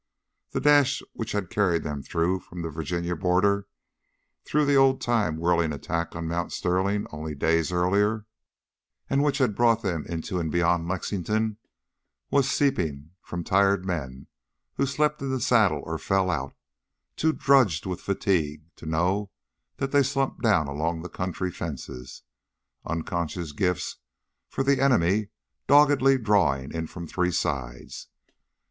That dash which had carried them through from the Virginia border, through the old time whirling attack on Mount Sterling only days earlier, and which had brought them into and beyond Lexington, was seeping from tired men who slept in the saddle or fell out, too drugged with fatigue to know that they slumped down along country fences, unconscious gifts for the enemy doggedly drawing in from three sides.